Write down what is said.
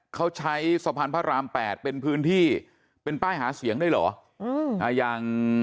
เขาใช้สะพานพระราม๘เป็นพื้นที่เป็นป้ายหาเสียงด้วยเหรอ